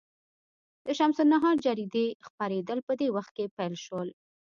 د شمس النهار جریدې خپرېدل په دې وخت کې پیل شول.